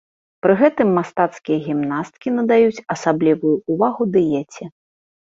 Пры гэтым мастацкія гімнасткі надаюць асаблівую ўвагу дыеце.